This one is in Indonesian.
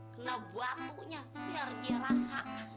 kena batunya biar dia rasa